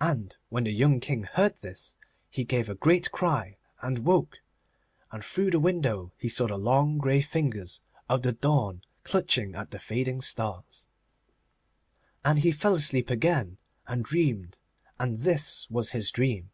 And when the young King heard this he gave a great cry, and woke, and through the window he saw the long grey fingers of the dawn clutching at the fading stars. And he fell asleep again, and dreamed, and this was his dream.